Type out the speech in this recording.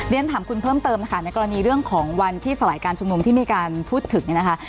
เรียนถามคุณเพิ่มเติมนะคะในกรณีเรื่องของวันที่สลายการชุมนุมที่มีการพูดถึงเนี่ยนะคะ